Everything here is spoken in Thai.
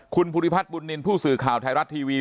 คุณภูริพัฒน์บุญนินทร์ผู้สื่อข่าวไทยรัฐทีวี